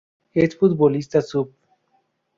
Es futbolista sub.